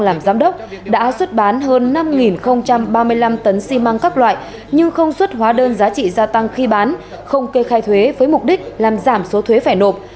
làm giám đốc đã xuất bán hơn năm ba mươi năm tấn xi măng các loại nhưng không xuất hóa đơn giá trị gia tăng khi bán không kê khai thuế với mục đích làm giảm số thuế phải nộp